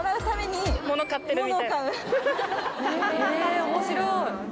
え面白い！